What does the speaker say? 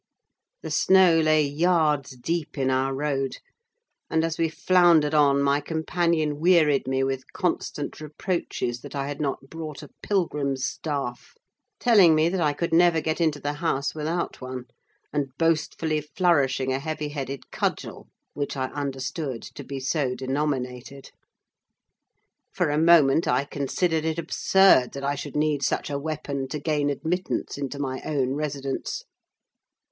The snow lay yards deep in our road; and, as we floundered on, my companion wearied me with constant reproaches that I had not brought a pilgrim's staff: telling me that I could never get into the house without one, and boastfully flourishing a heavy headed cudgel, which I understood to be so denominated. For a moment I considered it absurd that I should need such a weapon to gain admittance into my own residence.